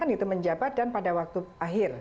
itu menjabat dan pada waktu akhir